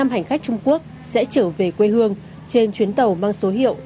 một trăm linh năm hành khách trung quốc sẽ trở về quê hương trên chuyến tàu mang số hiệu